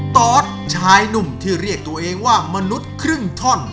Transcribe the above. ตอสชายหนุ่มที่เรียกตัวเองว่ามนุษย์ครึ่งท่อน